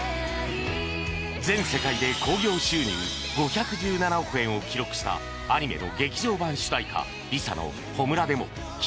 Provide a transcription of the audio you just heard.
全世界で興行収入５１７億円を記録したアニメの劇場版主題歌 ＬｉＳＡ の『炎』でも「君」